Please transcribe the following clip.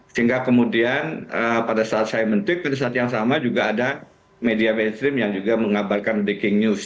sehingga kemudian pada saat saya men tweet pada saat yang sama juga ada media mainstream yang juga mengabarkan breaking news